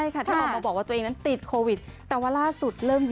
กับคนกันเคย